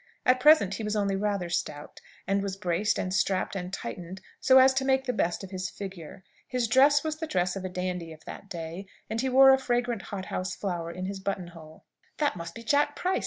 At present he was only rather stout, and was braced, and strapped, and tightened, so as to make the best of his figure. His dress was the dress of a dandy of that day, and he wore a fragrant hothouse flower in his button hole. "That must be Jack Price!"